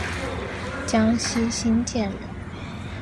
江西新建人。